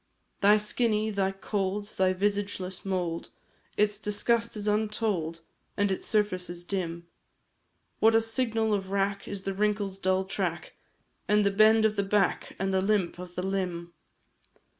Thy skinny, thy cold, thy visageless mould, Its disgust is untold, and its surface is dim; What a signal of wrack is the wrinkle's dull track, And the bend of the back, and the limp of the limb!